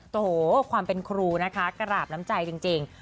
โถความเป็นครูนะคะกระหลาบน้ำใจจริง